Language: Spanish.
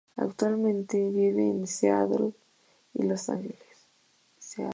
Actualmente vive entre Seattle y Los Ángeles.